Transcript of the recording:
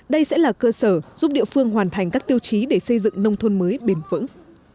đây sẽ là cơ sở giúp địa phương hoàn thành các tiêu chí để xây dựng nông thôn mới bền vững